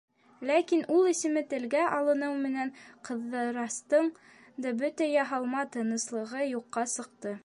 Ләкин ул исеме телгә алыныу менән, Ҡыҙырастың да бөтә яһалма тыныслығы юҡҡа сыҡты.